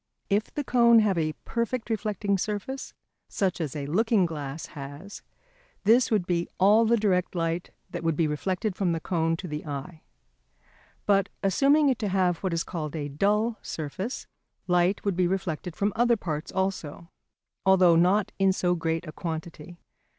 If the cone have a perfect reflecting surface, such as a looking glass has, this would be all the direct light that would be reflected from the cone to the eye. But assuming it to have what is called a dull surface, light would be reflected from other parts also, although not in so great a quantity.